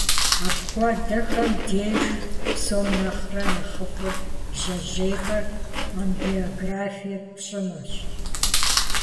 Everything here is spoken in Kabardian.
Апхуэдэхэм деж псом нэхърэ нэхъыфӏыр жьэжьейхэр ангиографие пщӏымэщ.